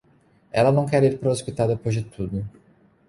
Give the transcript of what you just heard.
Ela não quer ir para o hospital depois de tudo.